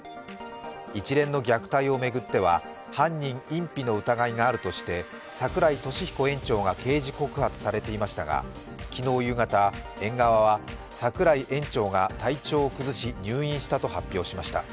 一連の虐待を巡っては犯人隠避の疑いがあるとして櫻井利彦園長が刑事告発されていましたが昨日夕方、園側は櫻井園長が体調を崩し入院したと発表しました。